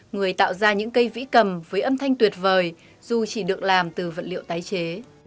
người tạo ra những cây vĩ cầm với âm thanh tuyệt vời dù chỉ được làm từ vật liệu tái chế